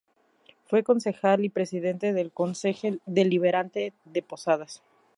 Fue concejal y presidente del Concejo Deliberante de Posadas.